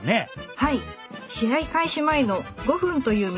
はい。